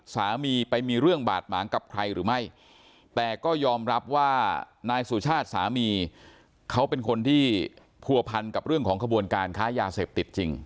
แต่ก็ยอมรับว่านายสุชาติสามีเขาเป็นคนที่พัวพันกับเรื่องของขบวนการค้ายาเสพติธรรมจริง